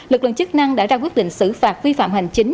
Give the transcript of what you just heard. lực lượng chức năng đã ra quyết định xử phạt vi phạm hành chính